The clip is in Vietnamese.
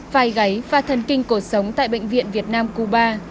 phai gáy và thần kinh cột sống tại bệnh viện việt nam cuba